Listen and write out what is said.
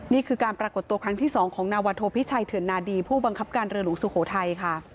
นี่คือการปรากฏตัวครั้งที่๒ของนาวัตโทพิชัยเถื่อนนาดีผู้บังคับการเรือหลวงสุโขทัยค่ะ